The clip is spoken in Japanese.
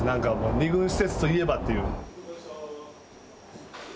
２軍施設といえばという。